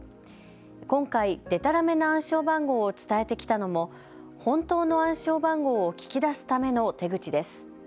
今回、でたらめな暗証番号を伝えてきたのも本当の暗証番号を聞き出すための手口です。